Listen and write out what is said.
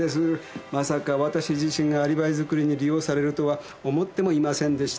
まさかわたし自身がアリバイ作りに利用されるとは思ってもいませんでした。